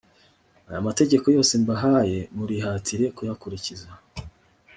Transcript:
aya mategeko yose mbahaye, murihatire kuyakurikiza;